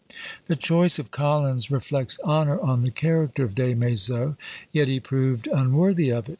The choice of Collins reflects honour on the character of Des Maizeaux, yet he proved unworthy of it!